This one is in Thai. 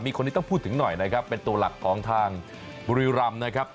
มีคนนี้ต้องพูดถึงหน่อยนะครับเป็นตัวหลักของทางบุรีรำนะครับ